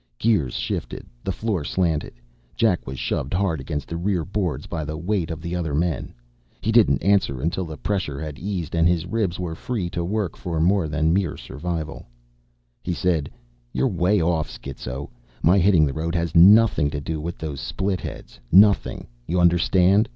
Gears shifted. The floor slanted. Jack was shoved hard against the rear boards by the weight of the other men. He didn't answer until the pressure had eased and his ribs were free to work for more than mere survival. He said, "You're way off, schizo. My hitting the road has nothing to do with those split heads. Nothing, you understand?